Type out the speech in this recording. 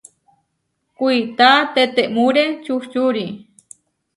Kuitá tetemúre čuhčúri.